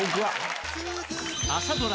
朝ドラ